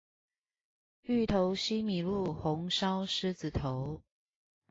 芋頭西米露，紅燒獅子頭